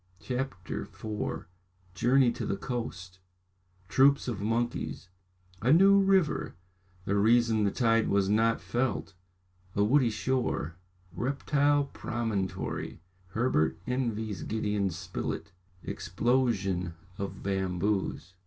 CHAPTER IV Journey to the Coast Troops of Monkeys A new River The Reason the Tide was not felt A woody Shore Reptile Promontory Herbert envies Gideon Spilett Explosion of Bamboos.